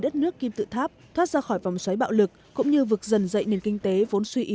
đất nước kim tự tháp thoát ra khỏi vòng xoáy bạo lực cũng như vực dần dạy nền kinh tế vốn suy